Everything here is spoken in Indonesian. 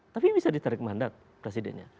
tapi bisa ditarik mandat presidennya